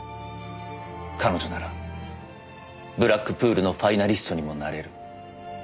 彼女ならブラックプールのファイナリストにもなれる。